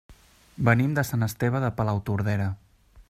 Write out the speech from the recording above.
Venim de Sant Esteve de Palautordera.